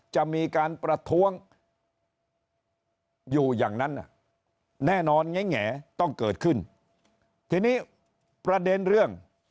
จะมีการประท้วงอยู่อย่างนั้นแน่นอนแง่ต้องเกิดขึ้นทีนี้ประเด็นเรื่อง